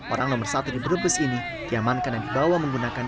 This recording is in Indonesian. orang nomor satu di brebes ini diamankan dan dibawa menggunakan